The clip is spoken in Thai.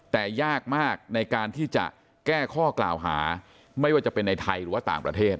แต่ยากมากในการที่จะแก้ข้อกล่าวหาไม่ว่าจะเป็นในไทยหรือว่าต่างประเทศ